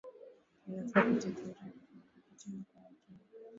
Inafaa tuziridhi, tuzitende kwa yakini